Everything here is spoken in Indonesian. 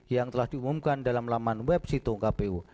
yang telah diumumkan dalam laman web situng kpu